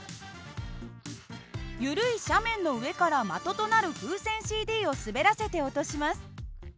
緩い斜面の上から的となる風船ＣＤを滑らせて落とします。